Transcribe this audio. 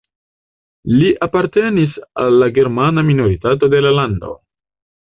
Li apartenis al la germana minoritato de la lando.